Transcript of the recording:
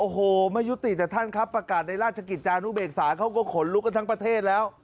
แต่ท่านคัปประกาศในราชกิจอาณุเหม๑๙๗๕เขาก็ขนมรึกทั้งประเทศแล้ว